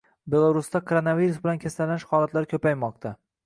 Belarusda koronavirus bilan kasallanish holatlari ko‘paymoqdang